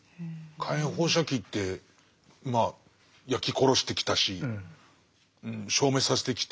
火炎放射器ってまあ焼き殺してきたし消滅させてきて。